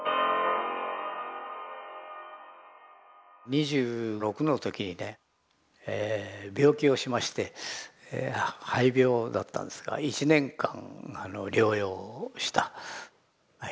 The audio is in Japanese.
２６の時にね病気をしまして肺病だったんですが１年間療養した。